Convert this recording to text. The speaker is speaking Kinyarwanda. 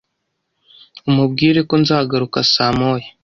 umubwire ko nzagaruka saa moya.